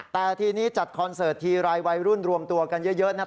แต่ทีนี้จัดคอนเสิร์ตทีไรวัยรุ่นรวมตัวกันเยอะนะ